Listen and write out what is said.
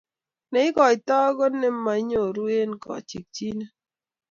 ne igoitoi ko ne mukunyoru eng' chokchinet